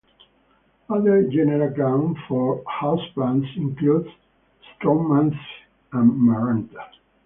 Other genera grown for houseplants includes "Stromanthe" and "Maranta".